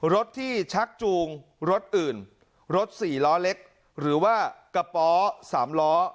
รถที่ชักจูงรถอื่นรถ๔ล้อเล็กหรือว่ากระป๋อ๓ล้อ